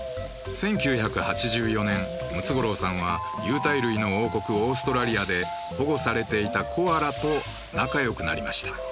１９８４年、ムツゴロウさんは有袋類の王国・オーストラリアで保護されていたコアラと仲良くなりました。